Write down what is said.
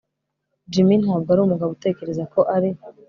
Jim ntabwo ari umugabo utekereza ko ari